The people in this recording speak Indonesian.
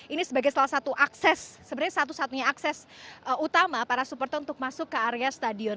ini sebagai salah satu akses sebenarnya satu satunya akses utama para supporter untuk masuk ke area stadion